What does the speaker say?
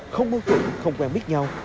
không mơ tượng không quen biết nhau